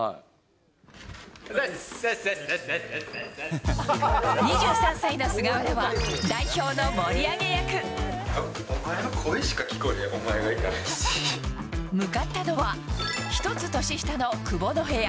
おざっす、ざっすざっすざっ２３歳の菅原は、代表の盛りお前の声しか聞こえへん、向かったのは、１つ年下の久保の部屋。